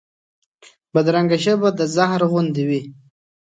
بدرنګه ژبه د زهر غوندې وي